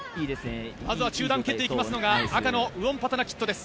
まずは中段蹴っていきますのが赤のウオンパタナキットです。